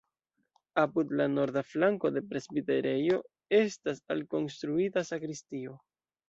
Apud la norda flanko de presbiterejo estas alkonstruita sakristio.